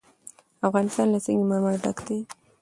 افغانستان له سنگ مرمر ډک دی.